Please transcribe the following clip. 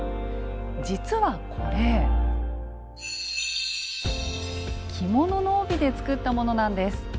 実はこれ着物の帯で作ったものなんです。